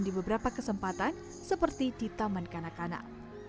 di beberapa kesempatan seperti di taman kanak kanak